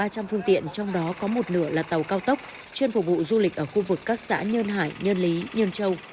trong phương tiện trong đó có một nửa là tàu cao tốc chuyên phục vụ du lịch ở khu vực các xã nhơn hải nhơn lý nhơn châu